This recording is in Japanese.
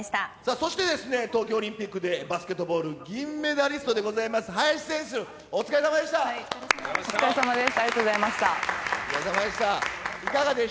そして、東京オリンピックでバスケットボール銀メダリストでございます、林選手、お疲れさまです。